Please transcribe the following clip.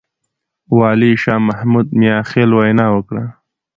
والي شاه محمود مياخيل وينا وکړه.